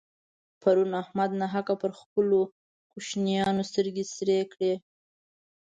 پرون احمد ناحقه پر خپلو کوشنيانو سترګې سرې کړې.